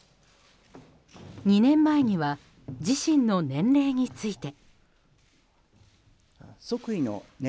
２年前には自身の年齢について。